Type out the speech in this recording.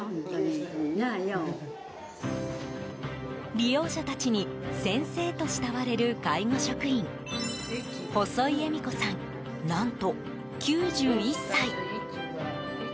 利用者たちに先生と慕われる介護職員、細井恵美子さん何と９１歳。